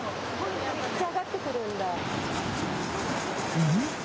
うん？